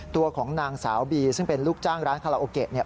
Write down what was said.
ตัวของนางสาวบีซึ่งเป็นลูกจ้างร้านคาราโอเกะเนี่ย